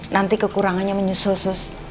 nanti kekurangannya menyusul sus